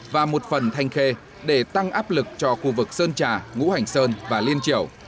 và một phần thanh khê để tăng áp lực cho khu vực sơn trà ngũ hành sơn và liên triểu